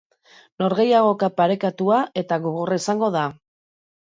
Norgehiagoka parekatua eta gogorra izango da.